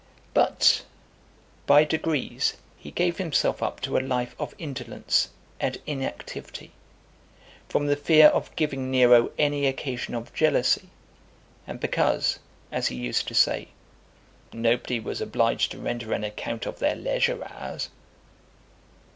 But by degrees he gave himself up to a life of indolence and inactivity, from the fear of giving Nero any occasion of jealousy, and because, as he used to say, "Nobody was obliged to render an account of their leisure hours."